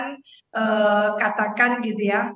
ketika kita mengatakan bahwa kita harus mengatakan